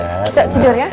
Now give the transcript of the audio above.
kita tidur ya